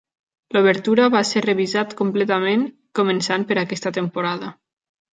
L'obertura va ser revisat completament començant per aquesta temporada.